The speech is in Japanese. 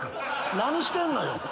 何してんのよ？